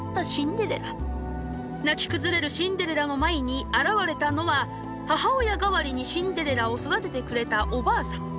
泣き崩れるシンデレラの前に現れたのは母親代わりにシンデレラを育ててくれたおばあさん。